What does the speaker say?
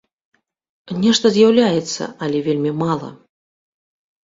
Нешта з'яўляецца, але вельмі мала.